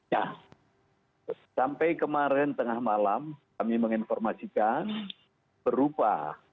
ya sampai kemarin tengah malam kami menginformasikan berupa